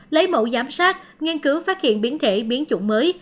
lấy mẫu giám sát nghiên cứu phát hiện biến thể biến chủng mới